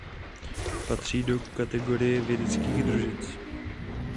Patří do kategorie vědeckých družic.